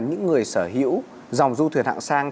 những người sở hữu dòng du thuyền hạng sang